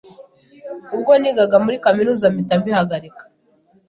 ubwo nigaga muri kaminuza mpita mbihagarika,